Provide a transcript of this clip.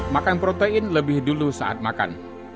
makan protein lebih dulu saat makan